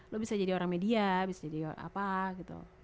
lu bisa jadi orang media bisa jadi apa gitu